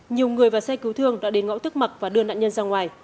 nhiều người và xe cứu thương đã đến ngõ tức mặc và đưa nạn nhân ra ngoài